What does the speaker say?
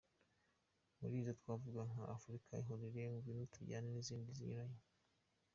Muri izo twavuga nka Africa ihorere, Ngwino Tujyane , n’izindi zinyuranye.